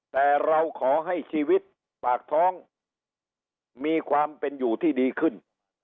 แต่เราขอให้ชีวิตปากท้องมีความเป็นอยู่ที่ดีขึ้น